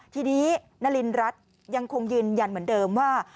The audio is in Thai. ทีนี้นารินรัฐยังคงยืนยันเหมือนเดิมว่า